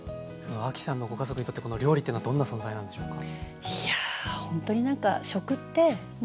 亜希さんのご家族にとってこの料理っていうのはどんな存在なんでしょうか？